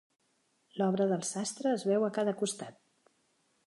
L'obra del sastre es veu a cada costat.